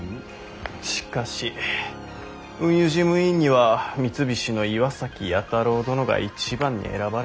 しかし運輸事務委員には三菱の岩崎弥太郎殿が一番に選ばれているが来ていないなぁ。